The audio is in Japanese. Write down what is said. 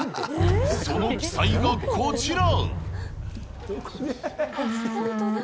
その奇祭がこちら。